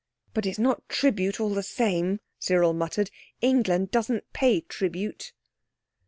"But it's not tribute all the same," Cyril muttered. "England doesn't pay tribute!"